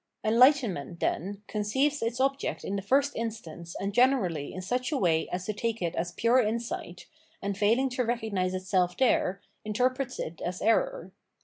Enlightenment, then, conceives its object in the first instance and generally in such a way as to take it as pure insight, and failing to recognise itself there, interprets it as error.